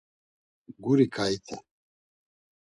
Guri ǩaite.